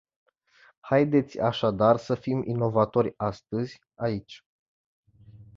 Haideți așadar să fim inovatori astăzi, aici.